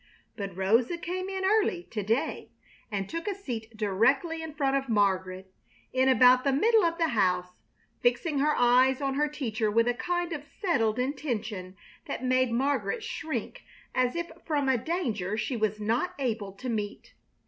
But Rosa came in early to day and took a seat directly in front of Margaret, in about the middle of the house, fixing her eyes on her teacher with a kind of settled intention that made Margaret shrink as if from a danger she was not able to meet.